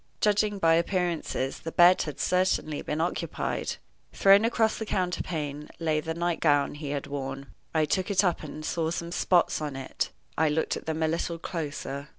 Judging by appearances, the bed had certainly been occupied. Thrown across the counterpane lay the nightgown he had worn. I took it up and saw some spots on it. I looked at them a little closer.